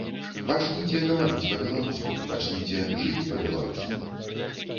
Пачніце гаварыць па-беларуску, пачніце жыць па-беларуску.